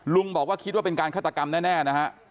ลุงบอกว่าคิดว่าเป็นการฆาตกรรมแน่นะฮะ